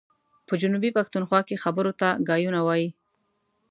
په جنوبي پښتونخوا کي خبرو ته ګايونه وايي.